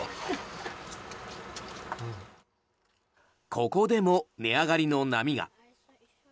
ここでも値上がりの波が。